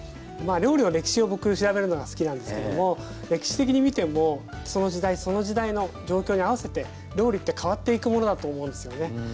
料理の歴史を僕調べるのが好きなんですけども歴史的に見てもその時代その時代の状況に合わせて料理って変わっていくものだと思うんですよね。